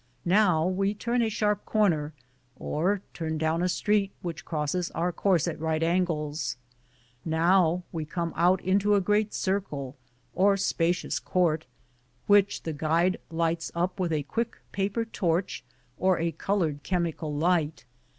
Now we turn a sharp corner, or turn down a street which crosses our course at right angles; now we come out into a great circle, or spacious court, which the guide lights up with a quick paper torch, or a colored chemical light.